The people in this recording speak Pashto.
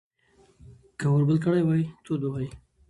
که اور بل کړی وای، تود به وای.